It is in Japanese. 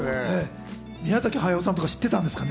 宮崎駿さんとか知ってたんですかね。